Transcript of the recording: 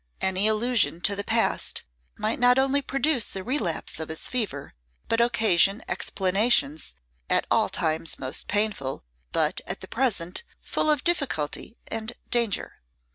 Any allusion to the past might not only produce a relapse of his fever, but occasion explanations, at all times most painful, but at the present full of difficulty and danger.